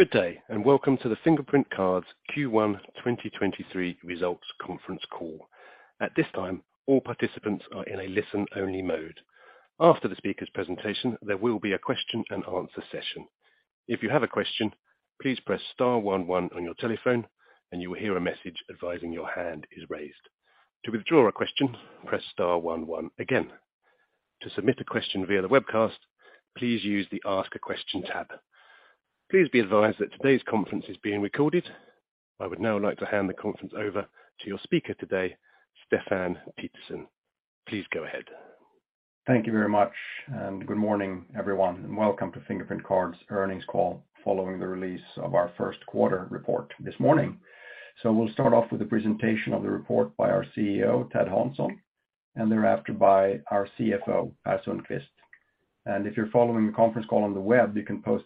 Good day. Welcome to the Fingerprint Cards Q1 2023 Results Conference Call. At this time, all participants are in a listen-only mode. After the speaker's presentation, there will be a question and answer session. If you have a question, please press star one one on your telephone, and you will hear a message advising your hand is raised. To withdraw a question, press star one one again. To submit a question via the webcast, please use the Ask a Question tab. Please be advised that today's conference is being recorded. I would now like to hand the conference over to your speaker today, Stefan Pettersson. Please go ahead. Thank you very much, and good morning, everyone. Welcome to Fingerprint Cards earnings call following the release of our Q1 report this morning. We'll start off with a presentation of the report by our CEO, Adam Philpott, and thereafter by our CFO, Per Sundqvist. If you're following the conference call on the web, you can post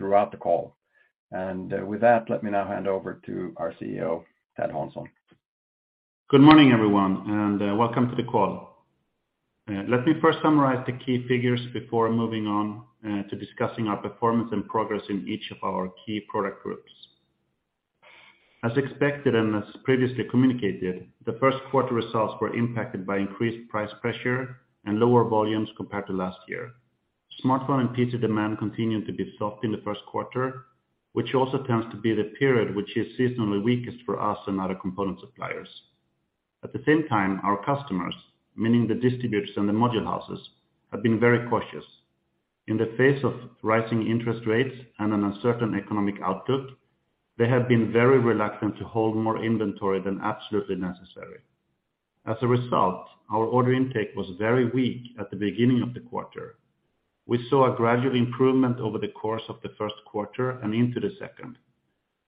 questions throughout the call. With that, let me now hand over to our CEO, Adam Philpott. Good morning, everyone, welcome to the call. Let me first summarize the key figures before moving on to discussing our performance and progress in each of our key product groups. As expected and as previously communicated, the Q1 results were impacted by increased price pressure and lower volumes compared to last year. Smartphone and PC demand continued to be soft in the Q1, which also tends to be the period which is seasonally weakest for us and other component suppliers. At the same time, our customers, meaning the distributors and the module houses, have been very cautious. In the face of rising interest rates and an uncertain economic outlook, they have been very reluctant to hold more inventory than absolutely necessary. As a result, our order intake was very weak at the beginning of the quarter. We saw a gradual improvement over the course of the Q1 and into the Q2.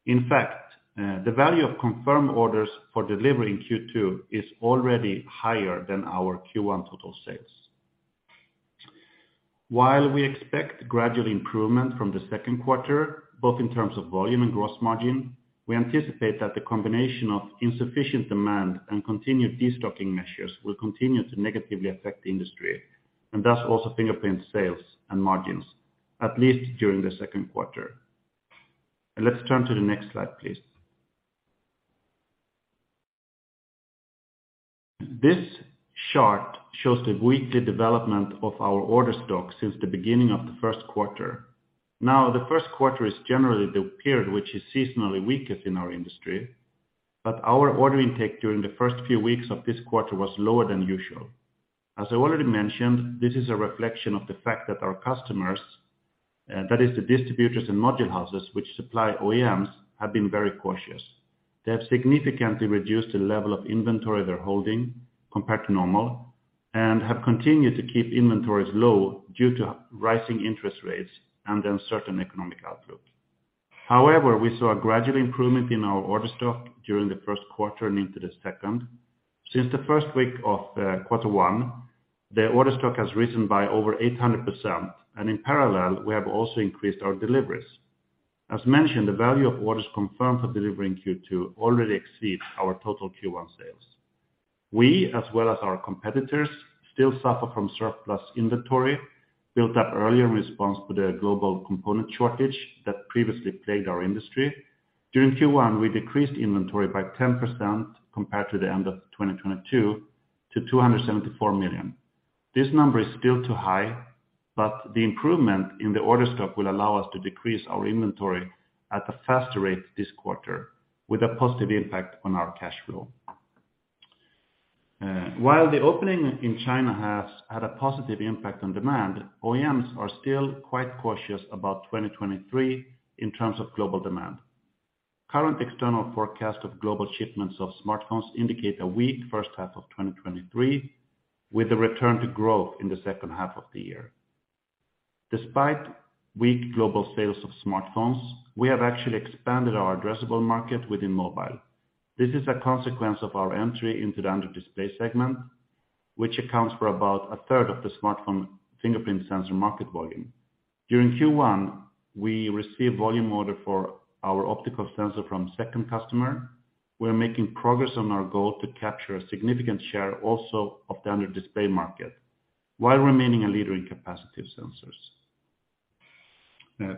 In fact, the value of confirmed orders for delivery in Q2 is already higher than our Q1 total sales. While we expect gradual improvement from the Q2, both in terms of volume and gross margin, we anticipate that the combination of insufficient demand and continued destocking measures will continue to negatively affect the industry, and thus also Fingerprint sales and margins, at least during the Q2. Let's turn to the next slide, please. This chart shows the weekly development of our order stock since the beginning of the Q1. The Q1 is generally the period which is seasonally weakest in our industry, but our order intake during the first few weeks of this quarter was lower than usual. As I already mentioned, this is a reflection of the fact that our customers, that is the distributors and module houses which supply OEMs, have been very cautious. They have significantly reduced the level of inventory they're holding compared to normal and have continued to keep inventories low due to rising interest rates and uncertain economic outlook. We saw a gradual improvement in our order stock during the Q1 and into the second. Since the first week of quarter one, the order stock has risen by over 800%, and in parallel, we have also increased our deliveries. As mentioned, the value of orders confirmed for delivery in Q2 already exceeds our total Q1 sales. We, as well as our competitors, still suffer from surplus inventory built at earlier response to the global component shortage that previously plagued our industry. During Q1, we decreased inventory by 10% compared to the end of 2022 to 274 million. This number is still too high, but the improvement in the order stock will allow us to decrease our inventory at a faster rate this quarter with a positive impact on our cash flow. While the opening in China has had a positive impact on demand, OEMs are still quite cautious about 2023 in terms of global demand. Current external forecast of global shipments of smartphones indicate a weak first half of 2023, with a return to growth in the second half of the year. Despite weak global sales of smartphones, we have actually expanded our addressable market within mobile. This is a consequence of our entry into the Android display segment, which accounts for about 1/3 of the smartphone fingerprint sensor market volume. During Q1, we received volume order for our optical sensor from second customer. We're making progress on our goal to capture a significant share also of the Android display market, while remaining a leader in capacitive sensors.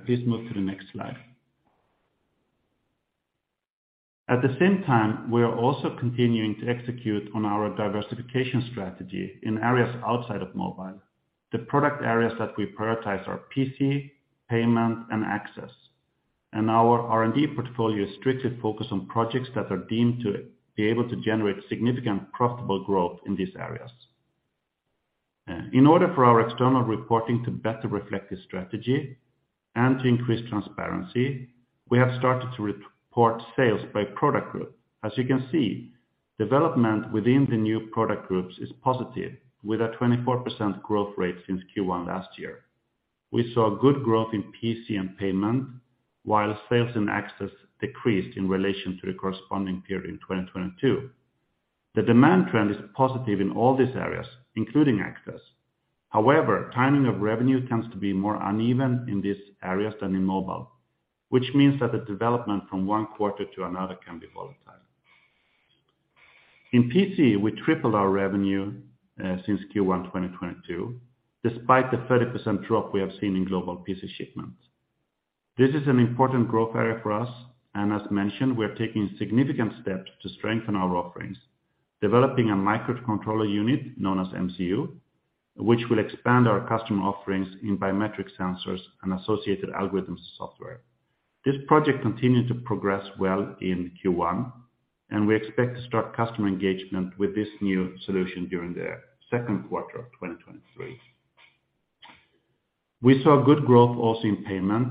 Please move to the next slide. At the same time, we are also continuing to execute on our diversification strategy in areas outside of mobile. The product areas that we prioritize are PC, payment, and access. Our R&D portfolio is strictly focused on projects that are deemed to be able to generate significant profitable growth in these areas. In order for our external reporting to better reflect this strategy and to increase transparency, we have started to report sales by product group. As you can see, development within the new product groups is positive, with a 24% growth rate since Q1 last year. We saw good growth in PC and payment, while sales and access decreased in relation to the corresponding period in 2022. The demand trend is positive in all these areas, including access. However, timing of revenue tends to be more uneven in these areas than in mobile, which means that the development from one quarter to another can be volatile. In PC, we tripled our revenue since Q1 2022, despite the 30% drop we have seen in global PC shipments. This is an important growth area for us, and as mentioned, we are taking significant steps to strengthen our offerings, developing a microcontroller unit known as MCU, which will expand our customer offerings in biometric sensors and associated algorithms software. This project continued to progress well in Q1, and we expect to start customer engagement with this new solution during the Q2 of 2023. We saw good growth also in payment,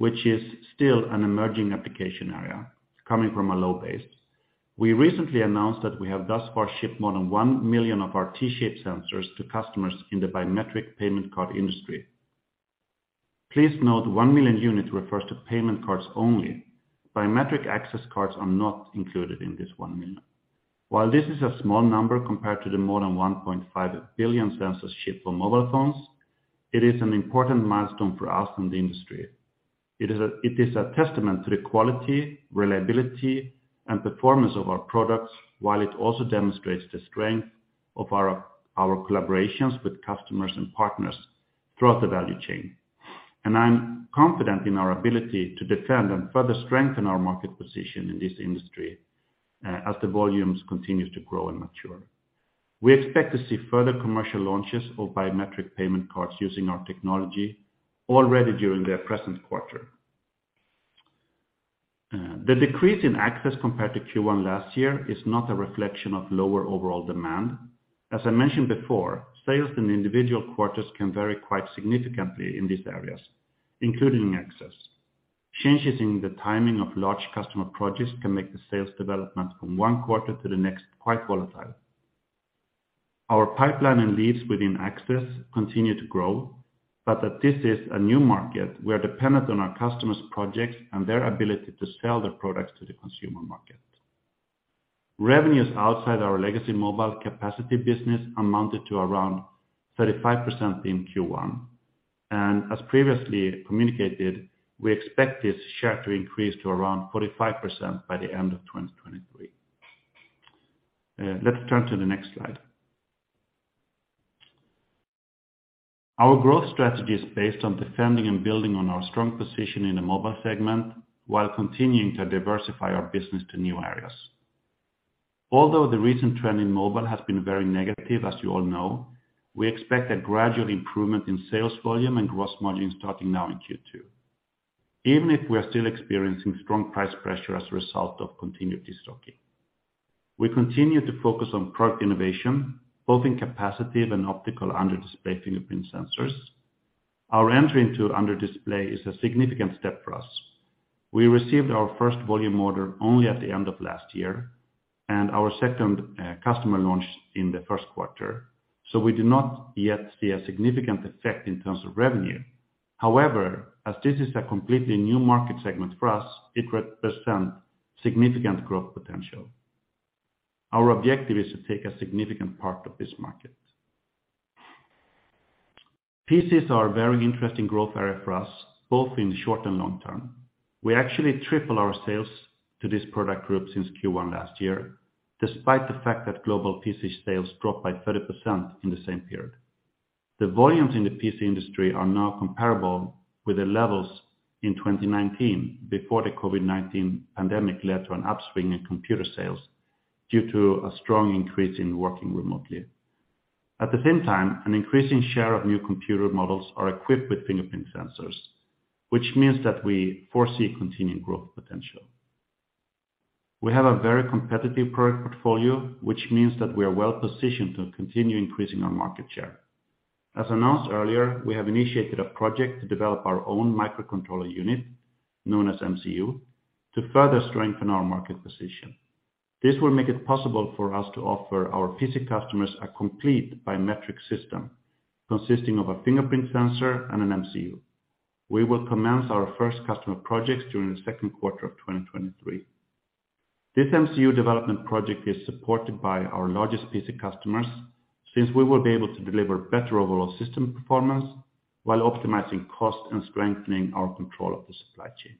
which is still an emerging application area coming from a low base. We recently announced that we have thus far shipped more than one million of our T-Shape sensor to customers in the biometric payment card industry. Please note one million unit refers to payment cards only. Biometric access cards are not included in this one million. While this is a small number compared to the more than 1.5 billion sensors shipped for mobile phones, it is an important milestone for us in the industry. It is a testament to the quality, reliability, and performance of our products, while it also demonstrates the strength of our collaborations with customers and partners throughout the value chain. I'm confident in our ability to defend and further strengthen our market position in this industry, as the volumes continue to grow and mature. We expect to see further commercial launches of biometric payment cards using our technology already during their present quarter. The decrease in access compared to Q1 last year is not a reflection of lower overall demand. As I mentioned before, sales in individual quarters can vary quite significantly in these areas, including access. Changes in the timing of large customers' projects can make the sales development from one quarter to the next quite volatile. Our pipeline and leads within access continue to grow, that this is a new market, we are dependent on our customers' projects and their ability to sell their products to the consumer market. Revenues outside our legacy mobile capacity business amounted to around 35% in Q1. As previously communicated, we expect this share to increase to around 45% by the end of 2023. Let's turn to the next slide. Our growth strategy is based on defending and building on our strong position in the mobile segment while continuing to diversify our business to new areas. Although the recent trend in mobile has been very negative, as you all know, we expect a gradual improvement in sales volume and gross margin starting now in Q2, even if we are still experiencing strong price pressure as a result of continued destocking. We continue to focus on product innovation, both in capacitive and optical under-display fingerprint sensors. Our entry into under display is a significant step for us. We received our first volume order only at the end of last year and our second customer launch in the Q1. We do not yet see a significant effect in terms of revenue. However, as this is a completely new market segment for us, it represents significant growth potential. Our objective is to take a significant part of this market. PCs are a very interesting growth area for us, both in the short and long term. We actually triple our sales to this product group since Q1 last year, despite the fact that global PC sales dropped by 30% in the same period. The volumes in the PC industry are now comparable with the levels in 2019 before the COVID-19 pandemic led to an upswing in computer sales due to a strong increase in working remotely. At the same time, an increasing share of new computer models are equipped with fingerprint sensors, which means that we foresee continued growth potential. We have a very competitive product portfolio, which means that we are well-positioned to continue increasing our market share. As announced earlier, we have initiated a project to develop our own microcontroller unit, known as MCU, to further strengthen our market position. This will make it possible for us to offer our PC customers a complete biometric system consisting of a fingerprint sensor and an MCU. We will commence our first customer projects during the Q2 of 2023. This MCU development project is supported by our largest PC customers since we will be able to deliver better overall system performance while optimizing cost and strengthening our control of the supply chain.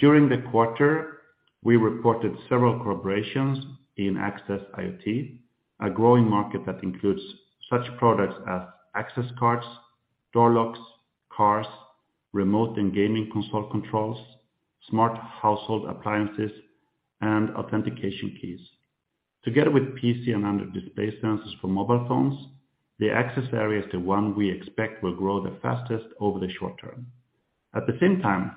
During the quarter, we reported several collaborations in Access/IoT, a growing market that includes such products as access cards, door locks, cars, remote and gaming console controls, smart household appliances, and authentication keys. Together with PC and under-display sensors for mobile phones, the access area is the one we expect will grow the fastest over the short term. At the same time,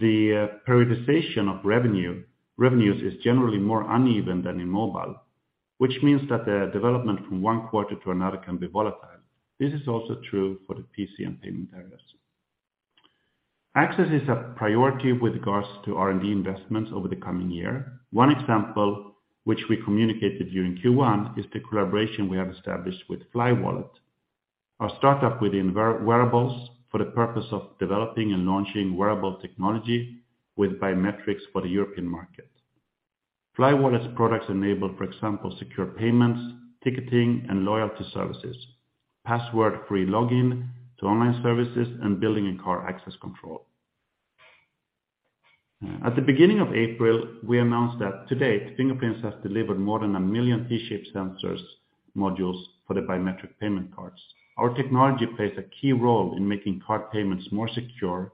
the periodization of revenues is generally more uneven than in mobile, which means that the development from one quarter to another can be volatile. This is also true for the PC and payment areas. Access is a priority with regards to R&D investments over the coming year. One example which we communicated during Q1 is the collaboration we have established with Flywallet, a startup within wearables for the purpose of developing and launching wearable technology with biometrics for the European market. Flywallet's products enable, for example, secure payments, ticketing and loyalty services, password-free login to online services, and building and car access control. At the beginning of April, we announced that to date, Fingerprint has delivered more than one million T-Shape sensors modules for the biometric payment cards. Our technology plays a key role in making card payments more secure,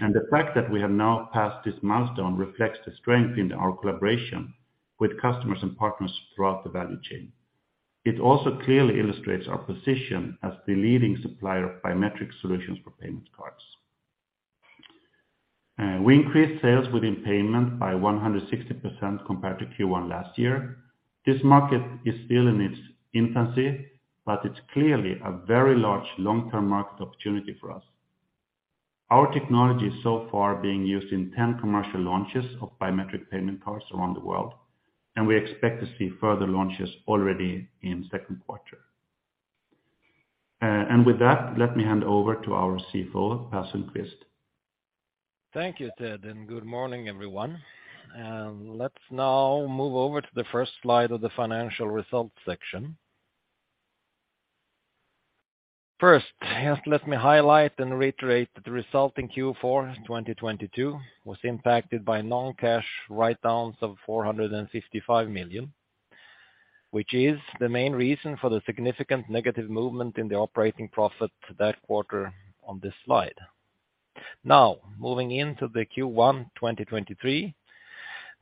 and the fact that we have now passed this milestone reflects the strength in our collaboration with customers and partners throughout the value chain. It also clearly illustrates our position as the leading supplier of biometric solutions for payment cards. We increased sales within payment by 160% compared to Q1 last year. This market is still in its infancy, but it's clearly a very large long-term market opportunity for us. Our technology is so far being used in 10 commercial launches of biometric payment cards around the world, and we expect to see further launches already in Q2. With that, let me hand over to our CFO, Per Sundqvist. Thank you, Adam, and good morning, everyone. Let's now move over to the first slide of the financial results section. First, just let me highlight and reiterate the result in Q4 2022 was impacted by non-cash write-downs of 455 million, which is the main reason for the significant negative movement in the operating profit that quarter on this slide. Now moving into the Q1 2023,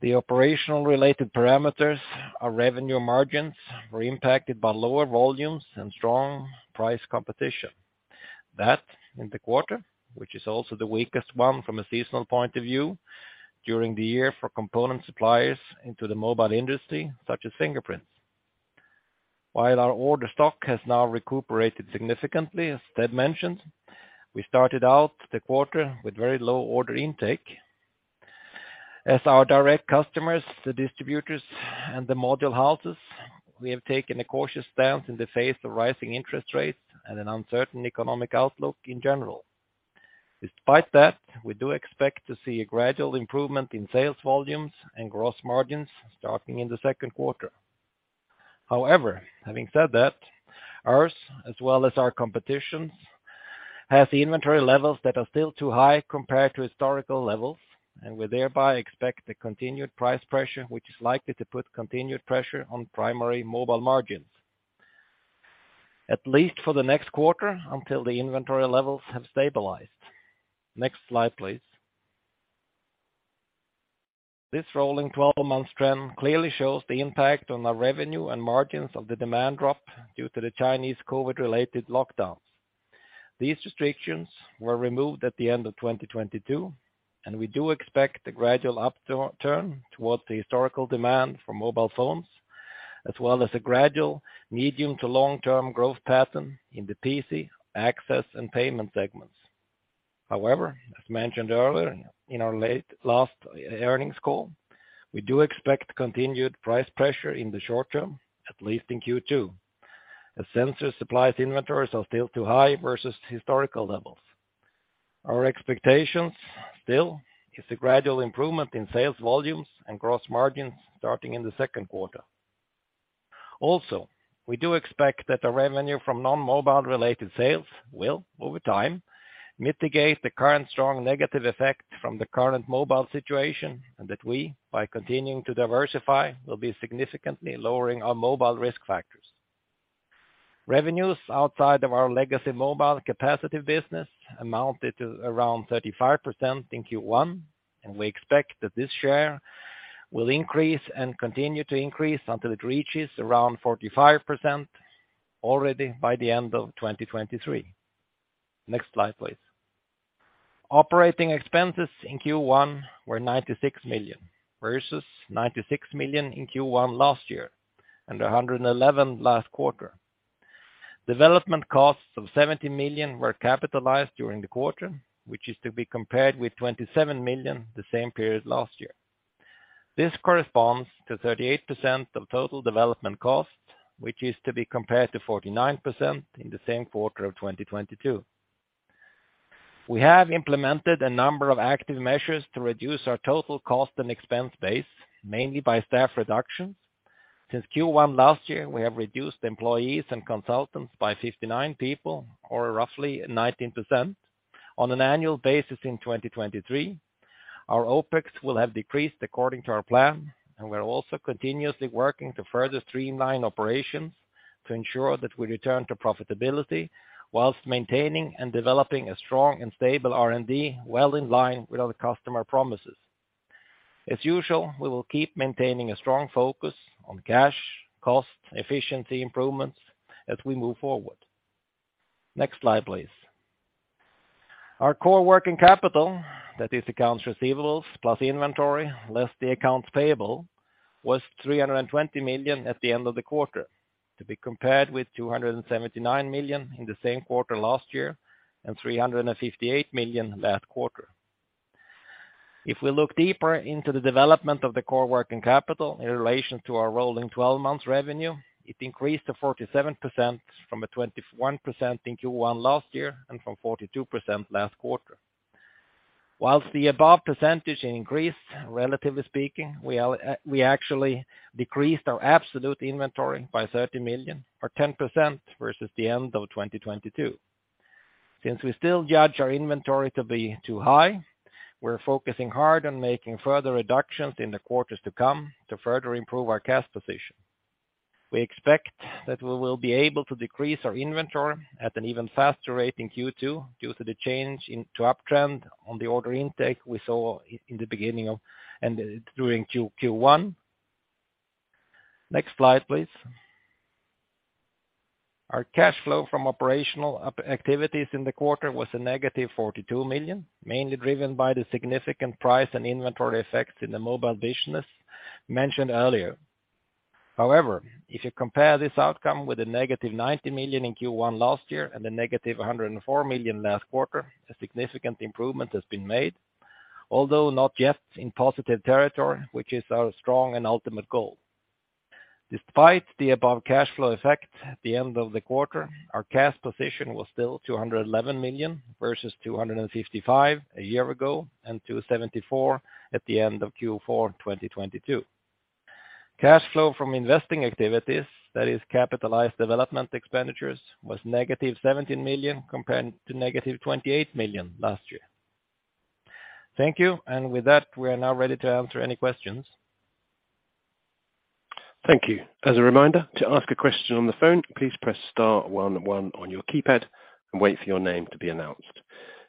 the operational related parameters, our revenue margins were impacted by lower volumes and strong price competition. That in the quarter, which is also the weakest one from a seasonal point of view during the year for component suppliers into the mobile industry, such as Fingerprint Cards. While our order stock has now recuperated significantly, as Adam mentioned, we started out the quarter with very low order intake. As our direct customers, the distributors and the module houses, we have taken a cautious stance in the face of rising interest rates and an uncertain economic outlook in general. Despite that, we do expect to see a gradual improvement in sales volumes and gross margins starting in the Q2. However, having said that, ours, as well as our competitors', have the inventory levels that are still too high compared to historical levels, and we thereby expect a continued price pressure, which is likely to put continued pressure on primary mobile margins, at least for the next quarter, until the inventory levels have stabilized. Next slide, please. This rolling 12 months trend clearly shows the impact on the revenue and margins of the demand drop due to the Chinese COVID-related lockdowns. These restrictions were removed at the end of 2022. We do expect a gradual upturn towards the historical demand for mobile phones, as well as a gradual medium to long-term growth pattern in the PC, Access, and payment segments. However, as mentioned earlier in our late last e-earnings call, we do expect continued price pressure in the short-term, at least in Q2, as sensor supplies inventories are still too high versus historical levels. Our expectations still is a gradual improvement in sales volumes and gross margins starting in the Q2. We do expect that the revenue from non-mobile-related sales will, over time, mitigate the current strong negative effect from the current mobile situation, and that we, by continuing to diversify, will be significantly lowering our mobile risk factors. Revenues outside of our legacy mobile capacitive business amounted to around 35% in Q1. We expect that this share will increase and continue to increase until it reaches around 45% already by the end of 2023. Next slide, please. Operating expenses in Q1 were 96 million versus 96 million in Q1 last year and 111 million last quarter. Development costs of 70 million were capitalized during the quarter, which is to be compared with 27 million the same period last year. This corresponds to 38% of total development cost, which is to be compared to 49% in the same quarter of 2022. We have implemented a number of active measures to reduce our total cost and expense base, mainly by staff reductions. Since Q1 last year, we have reduced employees and consultants by 59 people or roughly 19%. On an annual basis in 2023, our OPEX will have decreased according to our plan, and we are also continuously working to further streamline operations to ensure that we return to profitability whilst maintaining and developing a strong and stable R&D well in line with our customer promises. As usual, we will keep maintaining a strong focus on cash, cost, efficiency improvements as we move forward. Next slide, please. Our core working capital, that is accounts receivables plus inventory, less the accounts payable, was 320 million at the end of the quarter, to be compared with 279 million in the same quarter last year and 358 million last quarter. If we look deeper into the development of the core working capital in relation to our rolling twelve months revenue, it increased to 47% from a 21% in Q1 last year and from 42% last quarter. Whilst the above percentage increased, relatively speaking, we actually decreased our absolute inventory by 30 million or 10% versus the end of 2022. Since we still judge our inventory to be too high, we're focusing hard on making further reductions in the quarters to come to further improve our cash position. We expect that we will be able to decrease our inventory at an even faster rate in Q2 due to the change into uptrend on the order intake we saw in the beginning of and during Q1. Next slide, please. Our cash flow from operational activities in the quarter was a negative 42 million, mainly driven by the significant price and inventory effects in the mobile business mentioned earlier. However, if you compare this outcome with a negative 90 million in Q1 last year and a negative 104 million last quarter, a significant improvement has been made, although not yet in positive territory, which is our strong and ultimate goal. Despite the above cash flow effect at the end of the quarter, our cash position was still 211 million versus 255 million a year ago and 274 million at the end of Q4 2022. Cash flow from investing activities, that is capitalized development expenditures, was negative 17 million compared to negative 28 million last year. Thank you. With that, we are now ready to answer any questions. Thank you. As a reminder, to ask a question on the phone, please press star one one on your keypad and wait for your name to be announced.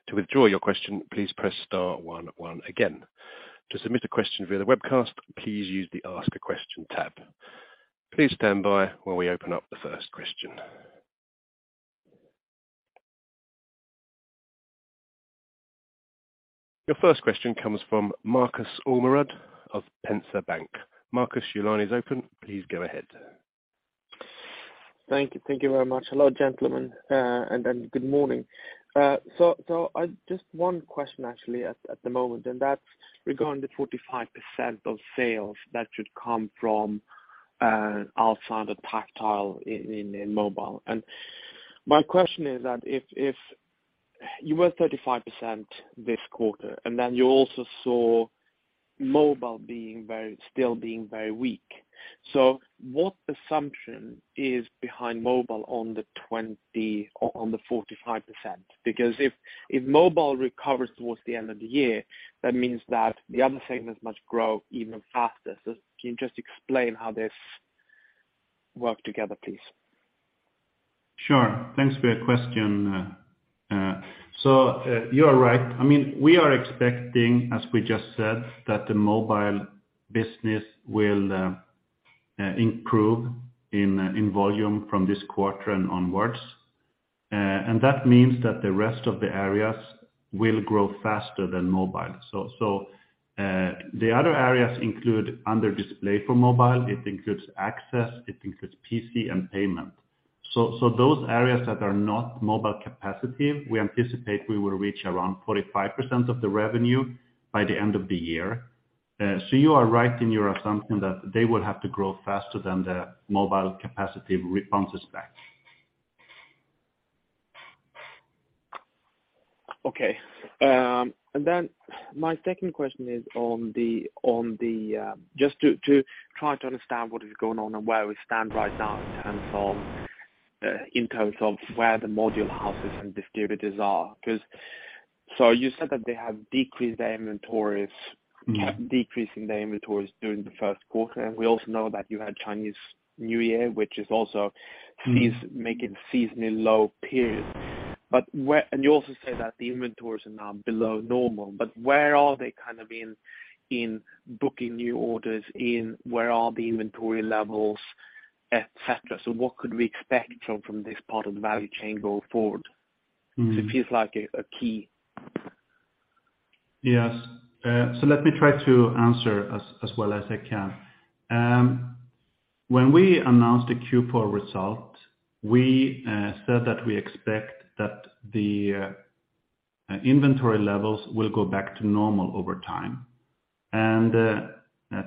To withdraw your question, please press star one one again. To submit a question via the webcast, please use the Ask a Question tab. Please stand by while we open up the first question. Your first question comes from Marcus Almerud of Penser Bank. Marcus, your line is open. Please go ahead. Thank you. Thank you very much. Hello, gentlemen, and then good morning. I just one question actually at the moment, and that's regarding the 45% of sales that should come from outside of tactile in mobile. My question is that if you were 35% this quarter and then you also saw mobile being very weak. What assumption is behind mobile on the 45%? Because if mobile recovers towards the end of the year, that means that the other segments must grow even faster. Can you just explain how this work together, please? Sure. Thanks for your question. So, you are right. I mean, we are expecting, as we just said, that the mobile business will improve in volume from this quarter and onwards. That means that the rest of the areas will grow faster than mobile. The other areas include under display for mobile, it includes access, it includes PC and payment. Those areas that are not mobile capacity, we anticipate we will reach around 45% of the revenue by the end of the year. You are right in your assumption that they will have to grow faster than the mobile capacity bounces back. Okay. My second question is on the just to try to understand what is going on and where we stand right now in terms of where the module houses and distributors are. You said that they have decreased their inventories. Kept decreasing the inventories during the Q1. We also know that you had Chinese New Year, which is also. Make it seasonally low period. You also said that the inventories are now below normal, but where are they kind of in booking new orders, in where are the inventory levels, et cetera? What could we expect from this part of the value chain going forward? 'Cause it feels like a key. Yes. So let me try to answer as well as I can. When we announced the Q4 result, we said that we expect that the inventory levels will go back to normal over time.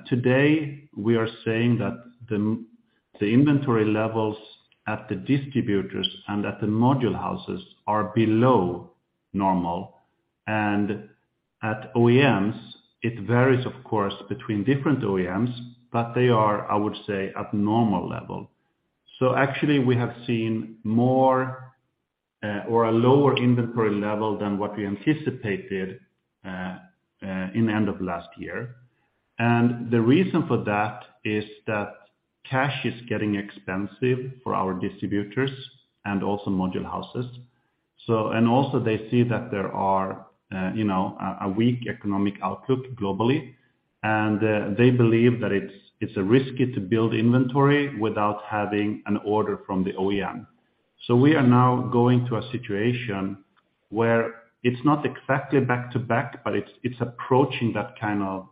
Today, we are saying that the inventory levels at the distributors and at the module houses are below normal. At OEMs, it varies, of course, between different OEMs, but they are, I would say, at normal level. Actually, we have seen more or a lower inventory level than what we anticipated in the end of last year. The reason for that is that cash is getting expensive for our distributors and also module houses. Also they see that there are, you know, a weak economic outlook globally. They believe that it's risky to build inventory without having an order from the OEM. We are now going to a situation where it's not exactly back-to-back, but it's approaching that kind of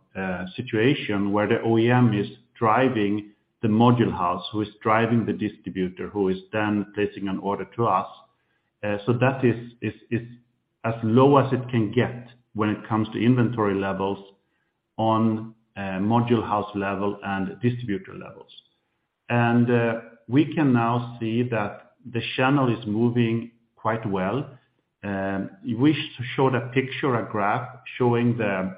situation where the OEM is driving the module house, who is driving the distributor, who is then placing an order to us. That is as low as it can get when it comes to inventory levels on module house level and distributor levels. We can now see that the channel is moving quite well. We showed a picture, a graph showing the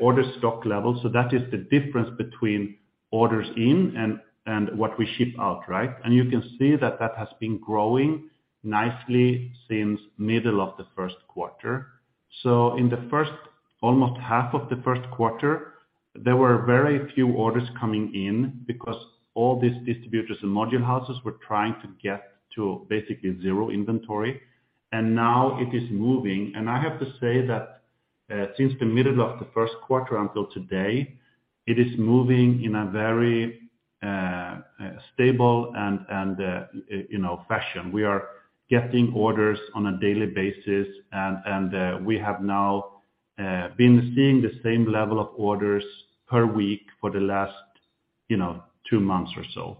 order stock level. That is the difference between orders in and what we ship out, right? You can see that that has been growing nicely since middle of the Q1. In the first, almost half of the Q1, there were very few orders coming in because all these distributors and module houses were trying to get to basically zero inventory, and now it is moving. I have to say that, since the middle of the Q1 until today, it is moving in a very stable and, you know, fashion. We are getting orders on a daily basis, and we have now been seeing the same level of orders per week for the last, you know, two months or so.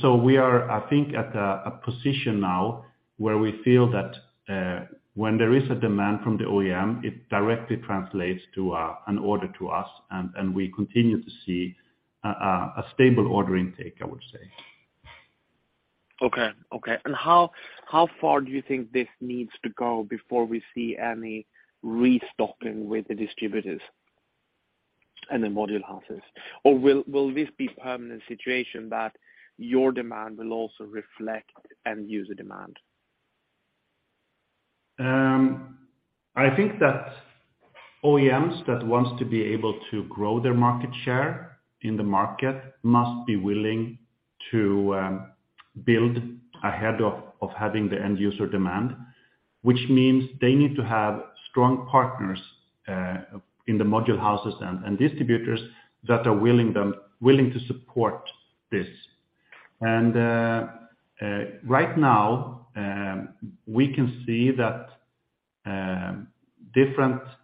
So we are, I think at a position now where we feel that, when there is a demand from the OEM, it directly translates to an order to us, and we continue to see a stable order intake, I would say. Okay. Okay. How, how far do you think this needs to go before we see any restocking with the distributors and the module houses? Will this be permanent situation that your demand will also reflect end user demand? I think that OEMs that wants to be able to grow their market share in the market must be willing to build ahead of having the end user demand. Which means they need to have strong partners in the module houses and distributors that are willing to support this. Right now, we can see that,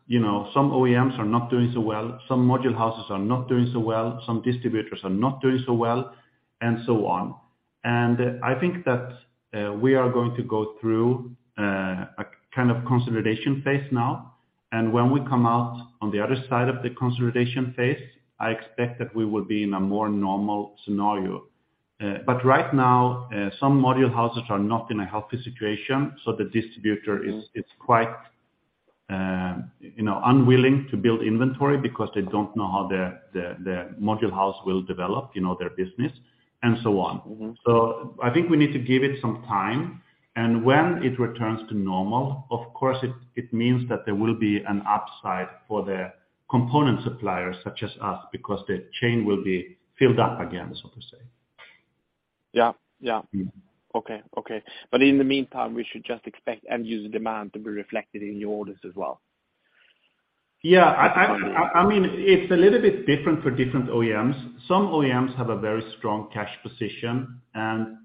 you know, some OEMs are not doing so well, some module houses are not doing so well, some distributors are not doing so well, and so on. I think that we are going to go through a kind of consolidation phase now, and when we come out on the other side of the consolidation phase, I expect that we will be in a more normal scenario. Right now, some module houses are not in a healthy situation, so the distributor. It's quite, you know, unwilling to build inventory because they don't know how their module house will develop, you know, their business and so on. I think we need to give it some time. When it returns to normal, of course it means that there will be an upside for the component suppliers such as us, because the chain will be filled up again, so to say. Yeah. Yeah. Okay. Okay. In the meantime, we should just expect end user demand to be reflected in your orders as well? Yeah. I. From the OEMs. I mean, it's a little bit different for different OEMs. Some OEMs have a very strong cash position.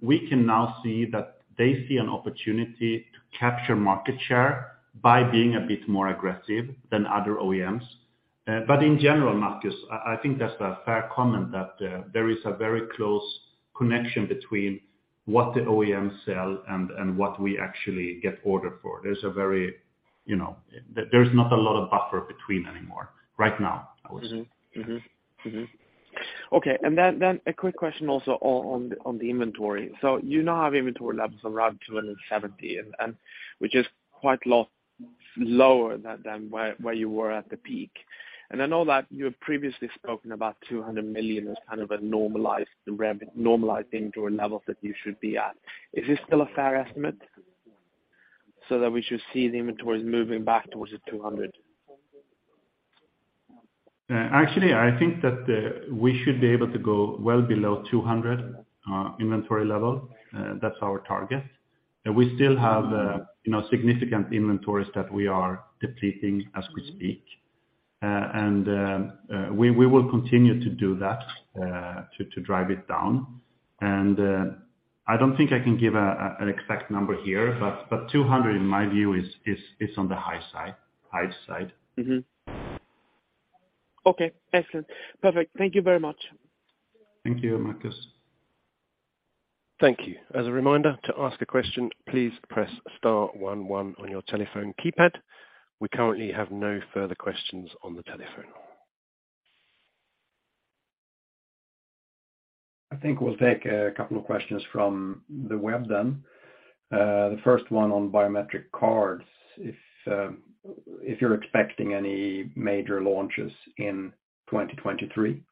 We can now see that they see an opportunity to capture market share by being a bit more aggressive than other OEMs. In general, Marcus, I think that's a fair comment that there is a very close connection between what the OEMs sell and what we actually get ordered for. There's a very, you know. There's not a lot of buffer between anymore, right now, I would say. Okay. Then a quick question also on the inventory. You now have inventory levels around 270 million, and which is quite lot lower than where you were at the peak. I know that you have previously spoken about 200 million as kind of a normalized inventory level that you should be at. Is this still a fair estimate so that we should see the inventories moving back towards the 200 million? Actually, I think that we should be able to go well below 200 inventory level. That's our target. We still have. You know, significant inventories that we are depleting as we speak. We will continue to do that to drive it down. I don't think I can give an exact number here, but 200 in my view is on the high side. High side. Okay. Excellent. Perfect. Thank you very much. Thank you, Marcus. Thank you. As a reminder, to ask a question, please press star one one on your telephone keypad. We currently have no further questions on the telephone. I think we'll take a couple of questions from the web then. The first one on biometric cards, if you're expecting any major launches in 2023.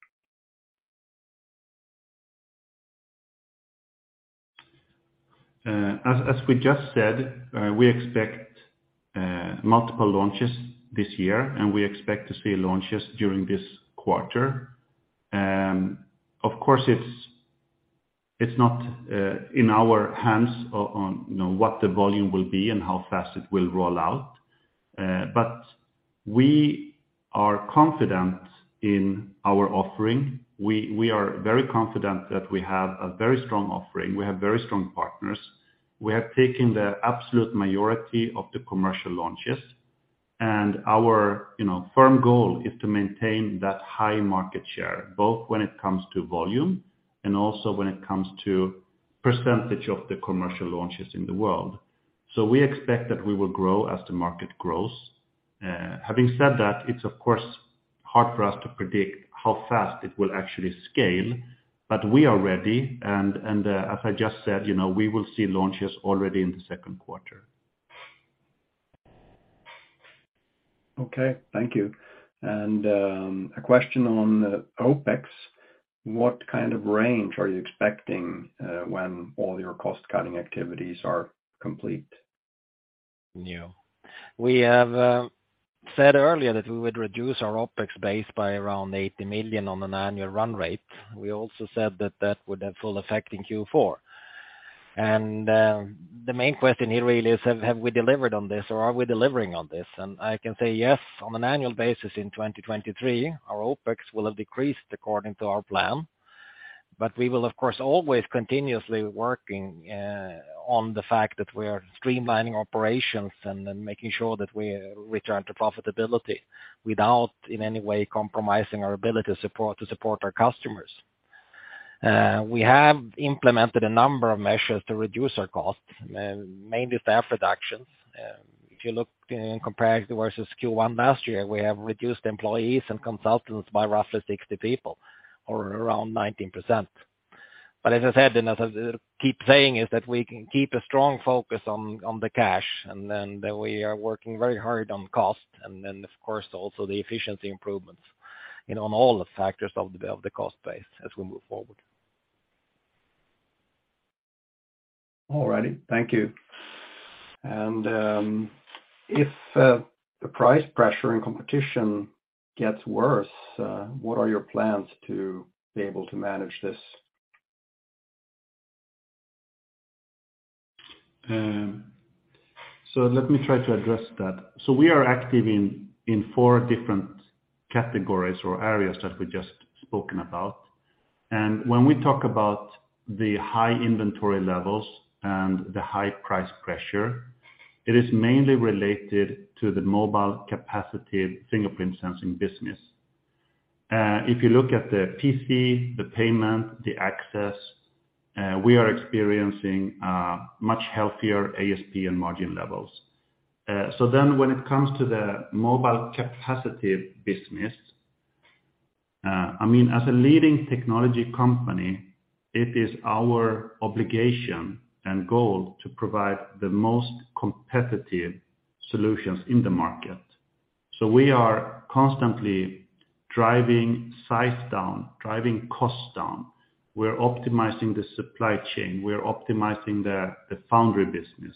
As we just said, we expect multiple launches this year and we expect to see launches during this quarter. Of course, it's not in our hands on, you know, what the volume will be and how fast it will roll out. We are confident in our offering. We are very confident that we have a very strong offering. We have very strong partners. We have taken the absolute majority of the commercial launches. Our, you know, firm goal is to maintain that high market share, both when it comes to volume and also when it comes to percentage of the commercial launches in the world. We expect that we will grow as the market grows. Having said that, it's of course hard for us to predict how fast it will actually scale, but we are ready and, as I just said, you know, we will see launches already in the Q2. Okay. Thank you. A question on the OpEx. What kind of range are you expecting, when all your cost-cutting activities are complete? Yeah. We have said earlier that we would reduce our OpEx base by around 80 million on an annual run rate. We also said that that would have full effect in Q4. The main question here really is have we delivered on this or are we delivering on this? I can say yes, on an annual basis in 2023, our OpEx will have decreased according to our plan. We will, of course, always continuously working on the fact that we are streamlining operations and then making sure that we return to profitability without in any way compromising our ability to support our customers. We have implemented a number of measures to reduce our costs, mainly staff reductions. If you look in comparison versus Q1 last year, we have reduced employees and consultants by roughly 60 people or around 19%. As I said, and as I keep saying, is that we can keep a strong focus on the cash, we are working very hard on cost, of course, also the efficiency improvements, you know, on all the factors of the cost base as we move forward. All righty. Thank you. If the price pressure and competition gets worse, what are your plans to be able to manage this? Let me try to address that. We are active in four different categories or areas that we just spoken about. When we talk about the high inventory levels and the high price pressure, it is mainly related to the mobile capacitive fingerprint sensing business. If you look at the PC, the payment, the access, we are experiencing a much healthier ASP and margin levels. When it comes to the mobile capacitive business, I mean, as a leading technology company, it is our obligation and goal to provide the most competitive solutions in the market. We are constantly driving size down, driving costs down. We're optimizing the supply chain, we're optimizing the foundry business.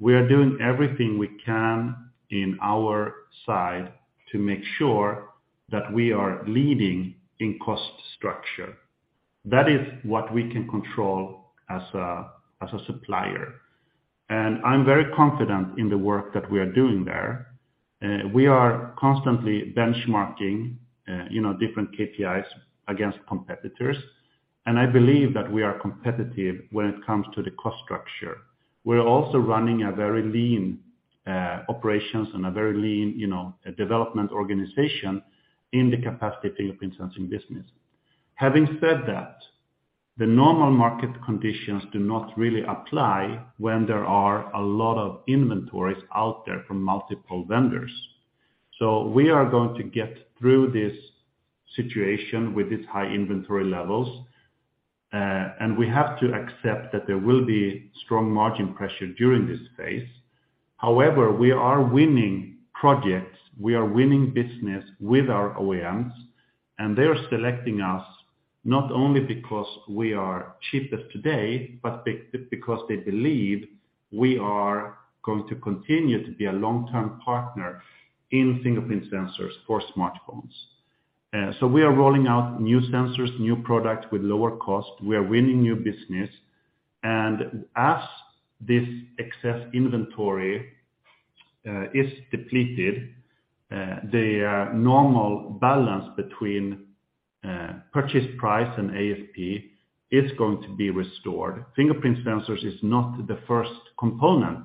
We are doing everything we can in our side to make sure that we are leading in cost structure. That is what we can control as a, as a supplier. I'm very confident in the work that we are doing there. We are constantly benchmarking, you know, different KPIs against competitors. I believe that we are competitive when it comes to the cost structure. We're also running a very lean operations and a very lean, you know, development organization in the capacitive fingerprint sensing business. Having said that, the normal market conditions do not really apply when there are a lot of inventories out there from multiple vendors. We are going to get through this situation with these high inventory levels, and we have to accept that there will be strong margin pressure during this phase. However, we are winning projects, we are winning business with our OEMs, and they are selecting us not only because we are cheapest today, but because they believe we are going to continue to be a long-term partner in fingerprint sensors for smartphones. We are rolling out new sensors, new products with lower cost. We are winning new business. As this excess inventory is depleted, the normal balance between purchase price and ASP is going to be restored. Fingerprint sensors is not the first component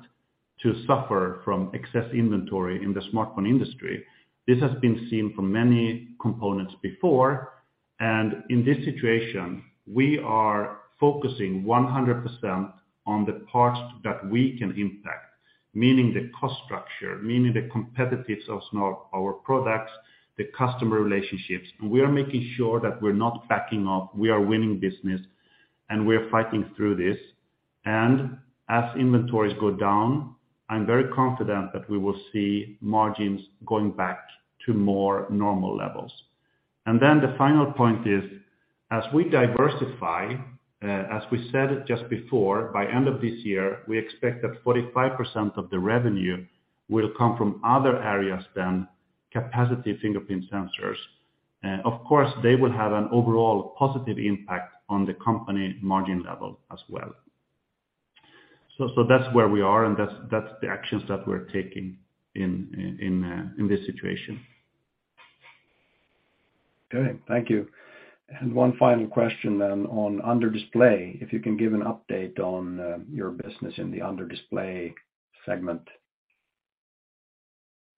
to suffer from excess inventory in the smartphone industry. This has been seen for many components before. In this situation, we are focusing 100% on the parts that we can impact, meaning the cost structure, meaning the competitiveness of our products, the customer relationships. We are making sure that we're not backing off. We are winning business, and we are fighting through this. As inventories go down, I'm very confident that we will see margins going back to more normal levels. The final point is, as we diversify, as we said just before, by end of this year, we expect that 45% of the revenue will come from other areas than capacitive fingerprint sensors. Of course, they will have an overall positive impact on the company margin level as well. So that's where we are, and that's the actions that we're taking in this situation. Okay, thank you. One final question then on under-display. If you can give an update on your business in the under-display segment?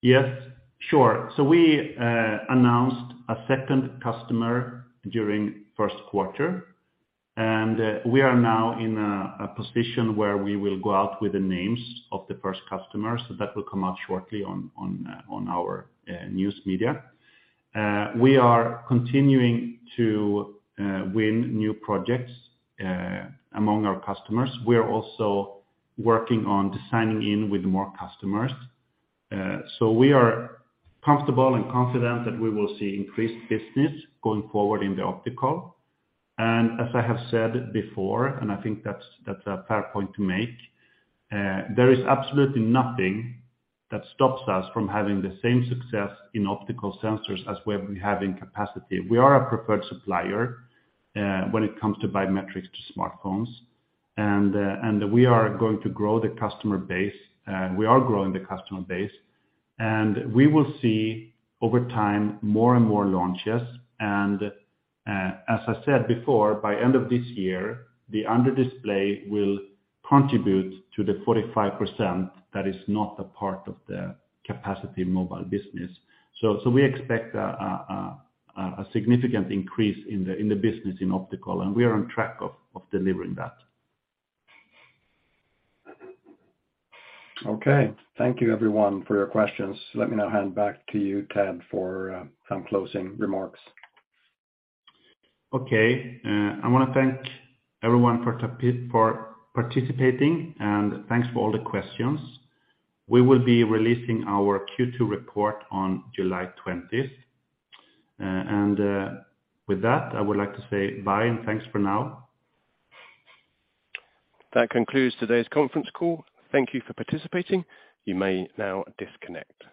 Yes, sure. We announced a second customer during Q1, and we are now in a position where we will go out with the names of the first customer. That will come out shortly on our news media. We are continuing to win new projects among our customers. We are also working on designing in with more customers. We are comfortable and confident that we will see increased business going forward in the optical. As I have said before, and I think that's a fair point to make, there is absolutely nothing that stops us from having the same success in optical sensors as we're having capacity. We are a preferred supplier when it comes to biometrics to smartphones. We are going to grow the customer base. We are growing the customer base, and we will see over time, more and more launches. As I said before, by end of this year, the under-display will contribute to the 45% that is not a part of the capacitive mobile business. We expect a significant increase in the business in optical, and we are on track of delivering that. Okay. Thank you everyone for your questions. Let me now hand back to you, Adam, for some closing remarks. Okay. I wanna thank everyone for participating, and thanks for all the questions. We will be releasing our Q2 report on 20 July 2023. With that, I would like to say bye and thanks for now. That concludes today's conference call. Thank you for participating. You may now disconnect.